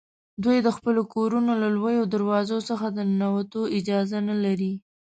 دوی د خپلو کورونو له لویو دروازو څخه د ننوتو اجازه نه لري.